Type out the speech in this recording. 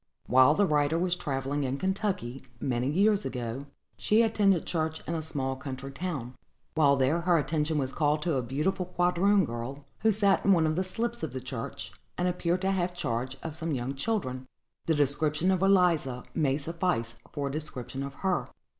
While the writer was travelling in Kentucky, many years ago, she attended church in a small country town. While there, her attention was called to a beautiful quadroon girl, who sat in one of the slips of the church, and appeared to have charge of some young children. The description of Eliza may suffice for a description of her.